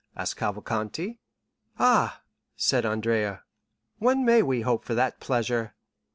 asked Cavalcanti. "Ah," said Andrea, "when may we hope for that pleasure?"